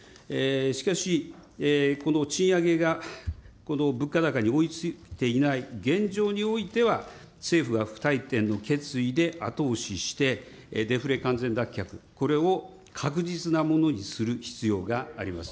しかし、この賃上げが物価高に追いついていない現状においては、政府は不退転の決意で後押しして、デフレ完全脱却、これを確実なものにする必要があります。